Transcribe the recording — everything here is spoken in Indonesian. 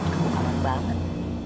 kamu kawan banget